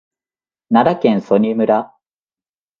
奈良県曽爾村